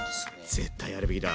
絶対やるべきだ。